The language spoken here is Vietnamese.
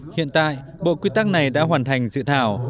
hiện tại bộ quy tắc này đã hoàn thành dự thảo